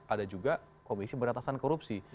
ada juga komisi beratasan korupsi